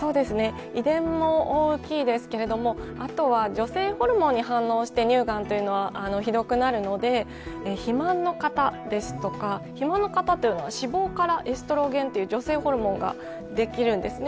遺伝も大きいですけれども、あとは女性ホルモンに反応して乳がんはひどくなるので肥満の方ですとか、肥満の方というのは脂肪からエストロゲンという女性ホルモンができるんですね。